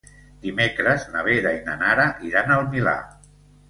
Dimecres na Vera i na Nara iran al Milà.